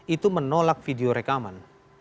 itu menolak video rekaman